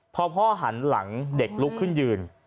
พอพ่อหันหลังเด็กลุกขึ้นยืน